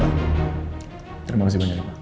terima kasih banyak pak